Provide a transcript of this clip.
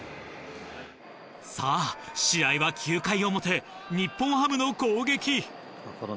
さぁ試合は９回表日本ハムの攻撃。